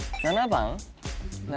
７番。